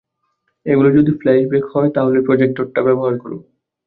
এগুলো যদি ফ্ল্যাশব্যাক হয় তাহলে প্রজেক্টরটা ব্যবহার করো।